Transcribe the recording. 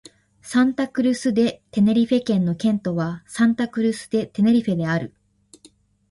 サンタ・クルス・デ・テネリフェ県の県都はサンタ・クルス・デ・テネリフェである